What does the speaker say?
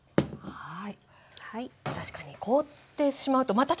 はい。